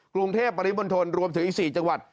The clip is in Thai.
กรุงเทพปริมณฑลรวมถึงอีก๔จังหวัด